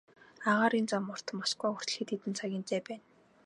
Агаарын зам урт, Москва хүртэл хэдэн цагийн зай байна.